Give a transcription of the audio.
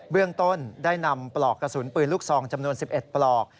เรื่องต้นได้นำปลอกกระสุนปืนลูกซองจำนวน๑๑ปลอก